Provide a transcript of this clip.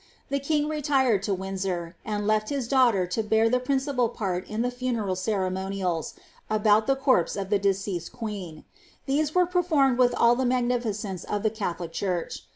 The king retired to Windsor, and left his daughter to bear the princi|')al part il) the funeral ceremoniuis about the corpse of the deceased r)iieen. These were performed with all the inagnifieence of the Catholic Church.